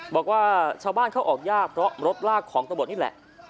บอกว่าชาวบ้านเข้าออกยากเพราะรถลากของตำรวจนี่แหละ